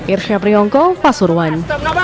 irsyapri hongko pasuruan